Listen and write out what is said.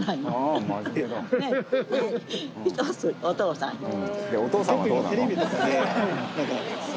お父さん。